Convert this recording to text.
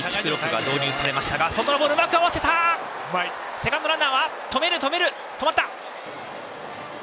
セカンドランナーは止まった。